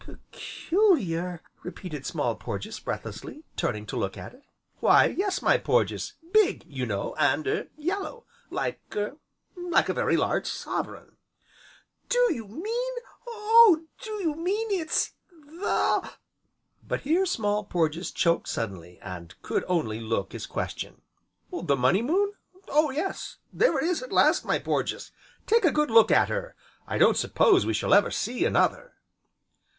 "Peculiar?" repeated Small Porges breathlessly, turning to look at it. "Why, yes, my Porges, big, you know, and er yellow, like er like a very large sovereign." "Do you mean Oh! do you mean it's the " But here Small Porges choked suddenly, and could only look his question. "The Money Moon? Oh yes there she is at last, my Porges! Take a good look at her, I don't suppose we shall ever see another."